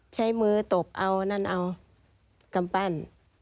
ใช้มือตบเอานั่นเอากำปั้น